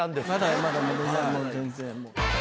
まだまだまだ全然。